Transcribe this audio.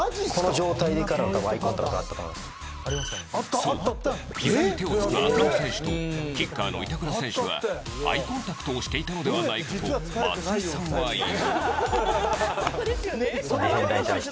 そうひざに手をつく浅野選手とキッカーの板倉選手がアイコンタクトをしていたのではないかと松井さんは言う。